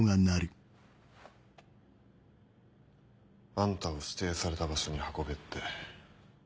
あんたを指定された場所に運べって。